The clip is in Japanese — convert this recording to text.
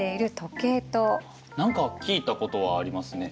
何か聞いたことはありますね。